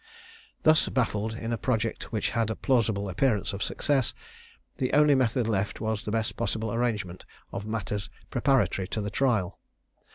Thus baffled in a project which had a plausible appearance of success, the only method left was the best possible arrangement of matters preparatory to the trial.